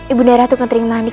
ibu ratu kentering manik